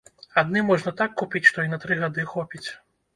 Адны можна так купіць, што і на тры гады хопіць.